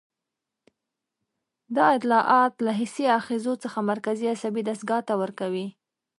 دا اطلاعات له حسي آخذو څخه مرکزي عصبي دستګاه ته ورکوي.